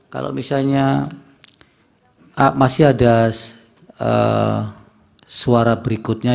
kalau misalnya masih ada suara berikutnya